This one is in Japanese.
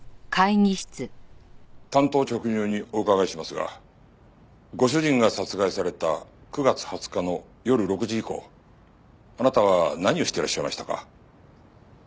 単刀直入にお伺いしますがご主人が殺害された９月２０日の夜６時以降あなたは何をしていらっしゃいましたか？